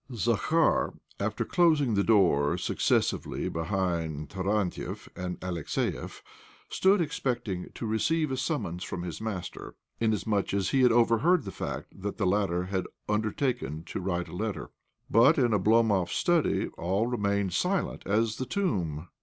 IV Zakhar, after closing the door successively behind Tarantiev and Alexiev, stood ex pecting to receive a summons from his master, inasmuch as he had overheard the fact that the latter had undertaken to write a letter. But in Oblomov's study all remained silent as the tomb.